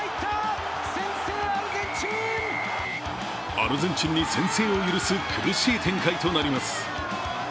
アルゼンチンに先制を許す苦しい展開となります。